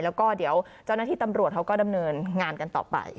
แล้วก็เดี๋ยวเจ้าหน้าที่ตำรวจเขาก็ดำเนินงานกันต่อไป